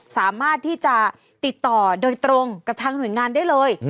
สามารถที่จะติดต่อโดยตรงกับทางหน่วยงานได้เลย